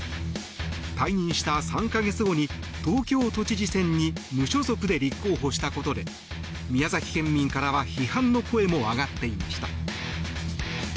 退任した３か月後に東京都知事選に無所属で立候補したことで宮崎県民からは批判の声も上がっていました。